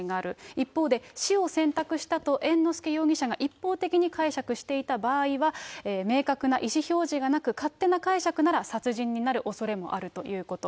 一方で、死を選択したと、猿之助容疑者が一方的に解釈していた場合は、明確な意思表示がなく、勝手な解釈なら殺人になるおそれもあるということ。